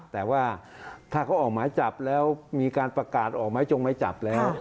แต่ว่าถ้าเขาออกหมายจับแล้วมีการประกาศออกไม้จงไม้จับแล้ว